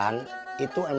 memiliki penyanyi yang berbeda